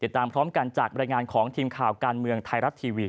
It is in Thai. เดี๋ยวตามพร้อมกันจากบริงารของทีมข่าวการเมืองไทรรัตท์ทีวี